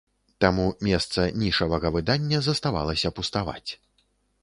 Таму месца нішавага выдання заставалася пуставаць.